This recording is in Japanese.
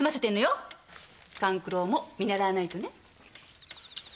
勘九郎も見習わないとね。